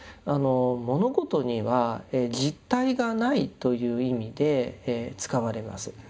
「物事には実体がない」という意味で使われます。